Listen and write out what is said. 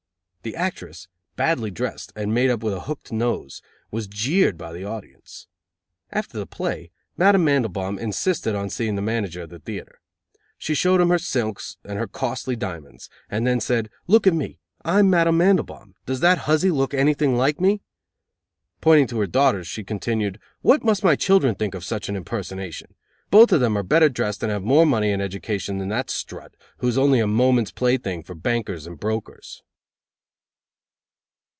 The actress, badly dressed, and made up with a hooked nose, was jeered by the audience. After the play, Madame Mandelbaum insisted on seeing the manager of the theatre. She showed him her silks and her costly diamonds and then said: "Look at me. I am Madame Mandelbaum. Does that huzzy look anything like me?" Pointing to her daughters she continued: "What must my children think of such an impersonation? Both of them are better dressed and have more money and education than that strut, who is only a moment's plaything for bankers and brokers!"